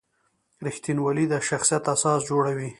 رښتینولي د شخصیت اساس جوړوي.